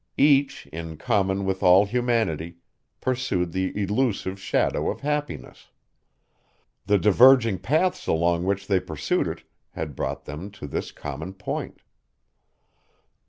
Each, in common with all humanity, pursued the elusive shadow of happiness. The diverging paths along which they pursued it had brought them to this common point.